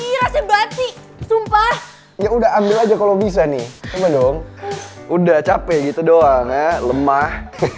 ii rese batik sumpah ya udah ambil aja kalo bisa nih coba dong udah cape gitu doang lemah